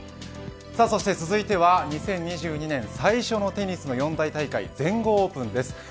そして続いては２０２２年最初のテニスの四大大会全豪オープンです。